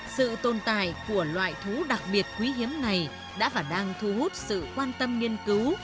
sự tồn tại của loại thú đặc biệt quý hiếm này đã và đang thu hút sự quan tâm nghiên cứu